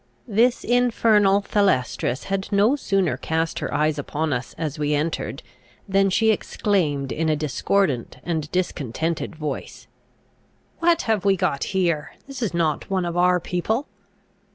This infernal Thalestris had no sooner cast her eyes upon us as we entered, than she exclaimed in a discordant and discontented voice, "What have we got here? this is not one of our people!"